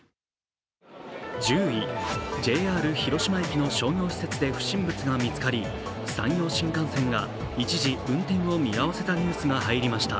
１０位、ＪＲ広島駅の商業施設で不審物が見つかり、山陽新幹線が一時運転を見合わせたニュースが入りました。